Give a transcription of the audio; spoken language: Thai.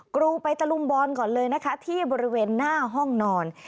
กรูไปตะลุมบอลก่อนเลยนะคะที่บริเวณหน้าห้องนอน